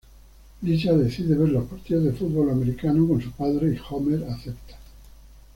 Lisa decide ver los partidos de fútbol americano con su padre, y Homer acepta.